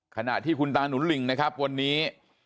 ขณะที่คุณตาหนุนลิงนะครับวันนี้